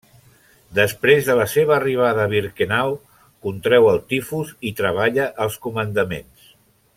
Després de la seva arribada a Birkenau, contreu el tifus i treballa als comandaments.